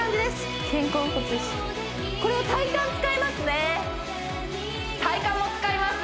これは体幹も使います